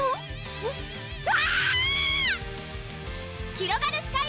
ひろがるスカイ！